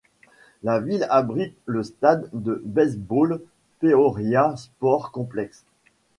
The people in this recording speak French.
La ville abrite le stade de baseball Peoria Sports Complex.